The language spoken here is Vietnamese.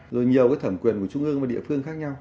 rồi nhiều cái thẩm quyền của trung ương và địa phương khác nhau